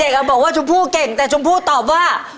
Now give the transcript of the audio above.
บอกว่าชมพู่เก่งแต่ชมพู่ตอบว่า